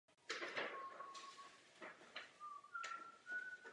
Vím, že v mé zemi řádně uplatněna není.